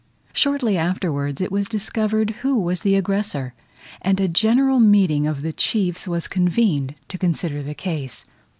Shortly afterwards it was discovered who was the aggressor; and a general meeting of the chiefs was convened to consider the case.